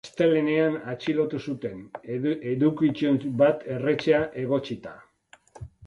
Astelehenenean atxilotu zuten, edukiontzi bat erretzea egotzita.